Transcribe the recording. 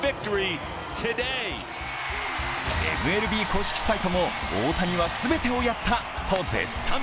ＭＬＢ公式サイトも大谷は全てをやったと絶賛。